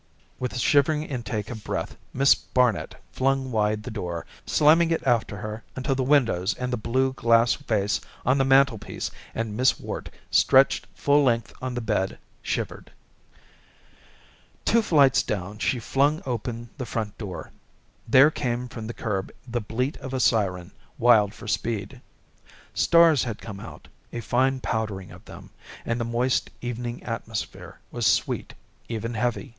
With a shivering intake of breath Miss Barnet flung wide the door, slamming it after her until the windows and the blue glass vase on the mantelpiece and Miss Worte, stretched full length on the bed, shivered. Two flights down she flung open the front door. There came from the curb the bleat of a siren, wild for speed. Stars had come out, a fine powdering of them, and the moist evening atmosphere was sweet, even heavy.